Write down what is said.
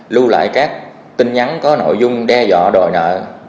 lưu lại các tin nhắn có nội dung đe dọa đòi nợ